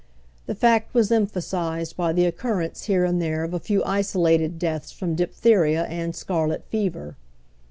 The fact was emphasized by the occurrence here and there of a few isolated deaths from diphtheria and scarlet fever.